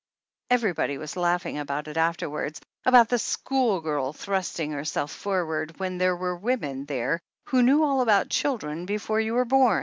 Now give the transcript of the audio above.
Everybody was laughing about it afterwards — z little schoolgirl thrusting her self forward, when there were women there who knew all about children before you were bom.